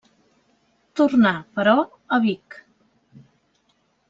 Tornà, però, a Vic.